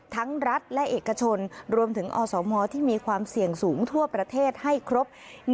รัฐและเอกชนรวมถึงอสมที่มีความเสี่ยงสูงทั่วประเทศให้ครบ